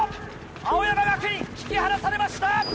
青山学院引き離されました！